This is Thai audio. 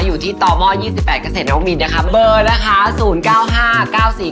อยู่ที่ตม๒๘เกษตรน้องมินทร์นะคะเบอร์นะคะ๐๙๕๙๔๙๘๖๓นะคะแล้วก็๐๙๘๘๘๙๙๘๐๔มากันได้